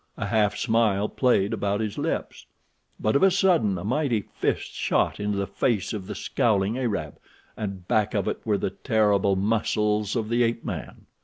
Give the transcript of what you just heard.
A half smile played about his lips, but of a sudden a mighty fist shot into the face of the scowling Arab, and back of it were the terrible muscles of the ape man.